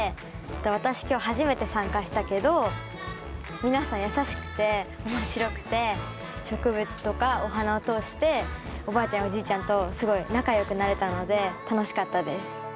私今日初めて参加したけど皆さん優しくて面白くて植物とかお花を通しておばあちゃんやおじいちゃんとすごい仲良くなれたので楽しかったです。